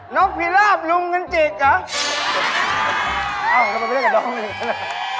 นกผีราพลุงคลั่นจิกหรือ